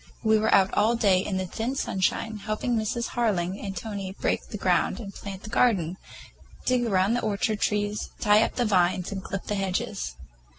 We were out all day in the thin sunshine, helping Mrs. Harling and Tony break the ground and plant the garden, dig around the orchard trees, tie up vines and clip the hedges.